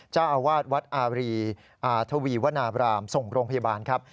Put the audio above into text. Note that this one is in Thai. เจ้าอาวาสวัดอารีทวีวนาบรามส่งโรงพยาบาลครับ